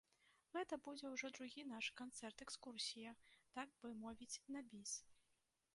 Гэта будзе ўжо другі наш канцэрт-экскурсія, так бы мовіць, на біс.